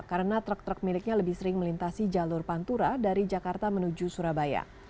karena truk truk miliknya lebih sering melintasi jalur pantura dari jakarta menuju surabaya